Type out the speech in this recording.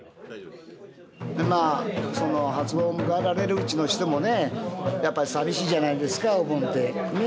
まあ初盆を迎えられるうちの人もねやっぱり寂しいじゃないですかお盆って何となく。